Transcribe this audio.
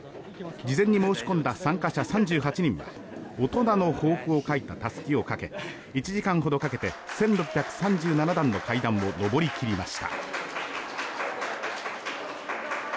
事前に申し込んだ参加者３８人は大人の抱負を書いたたすきをかけ１時間ほどかけて１６３７段の階段を上り切りました。